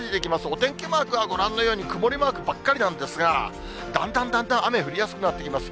お天気マークはご覧のように、曇りマークばっかりなんですが、だんだんだんだん雨降りやすくなってきます。